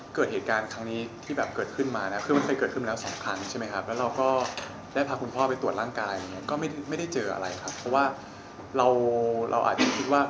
ก็อดีตอยากถามคุณพ่อเป็นโรคประจำตัวอยู่ด้านนี้เลยมั้ยครับ